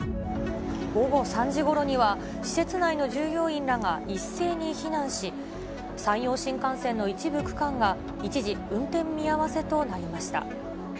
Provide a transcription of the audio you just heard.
午後３時ごろには、施設内の従業員らが一斉に避難し、山陽新幹線の一部区間が一時運転見合わせとなりました。